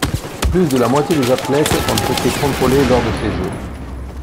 Plus de la moitié des athlètes ont été contrôlés lors de ces jeux.